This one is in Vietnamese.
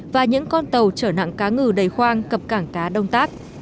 và những con tàu trở nặng cá ngừ đầy khoang cập cảng cá đông tác